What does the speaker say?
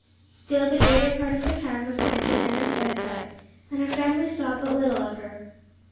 Still the greater part of her time was spent at Enna's bedside, and her family saw but little of her.